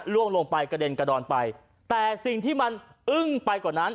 ล่วงลงไปกระเด็นกระดอนไปแต่สิ่งที่มันอึ้งไปกว่านั้น